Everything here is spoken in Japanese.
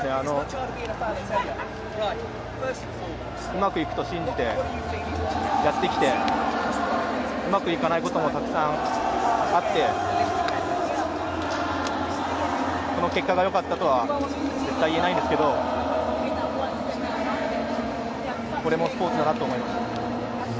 うまくいくと信じてやってきてうまくいかないこともたくさんあって結果が良かったとは絶対言えないですけどこれもスポーツだなって思いました。